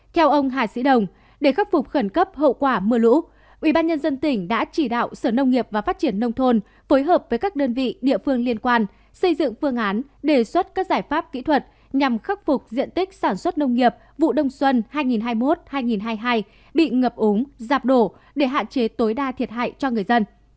theo ông hà sĩ đồng để khắc phục khẩn cấp hậu quả mưa lũ ubnd tỉnh đã chỉ đạo sở nông nghiệp và phát triển nông thôn phối hợp với các đơn vị địa phương liên quan xây dựng phương án đề xuất các giải pháp kỹ thuật nhằm khắc phục diện tích sản xuất nông nghiệp vụ đông xuân hai nghìn hai mươi một hai nghìn hai mươi hai bị ngập ống giạp đổ để hạn chế tối đa thiệt hại cho người dân